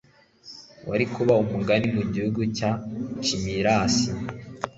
wari kuba umugani mugihugu cya chimerasi